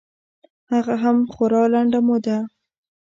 هغه هم خورا لنډه موده.